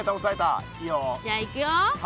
じゃあいくよ。